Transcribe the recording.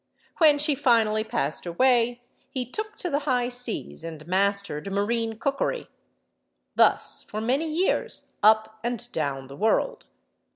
When she finally passed away he took to the high seas and mastered marine cookery. Thus for many years, up and down the world.